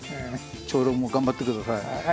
長老も頑張ってください。